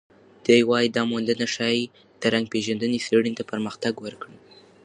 دی وايي، دا موندنه ښايي د رنګ پېژندنې څېړنې ته پرمختګ ورکړي.